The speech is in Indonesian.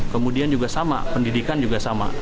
kemudian juga sama pendidikan juga sama